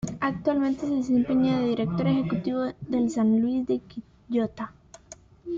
Actualmente se desempeña de Director Ejecutivo del San Luis de Quillota.